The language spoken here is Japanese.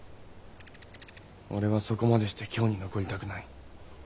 俺はそこまでして京に残りたくない。